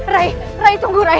rai rai tunggu rai